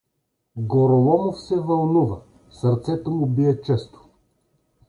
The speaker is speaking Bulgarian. Гороломов се вълнува, сърцето му бие често.